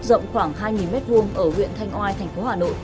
rộng khoảng hai m hai ở huyện thanh oai thành phố hà nội